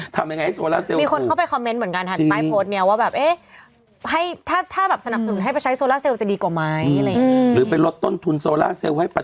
ทำยังไงทำให้โซลาเซลล์ถูก